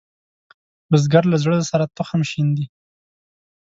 بزګر له زړۀ سره تخم شیندي